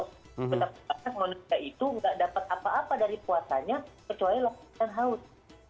maksudnya manusia itu tidak dapat apa apa dari puasanya kecuali lapar dan haus